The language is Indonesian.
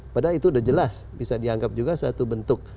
padahal itu sudah jelas bisa dianggap juga satu bentuk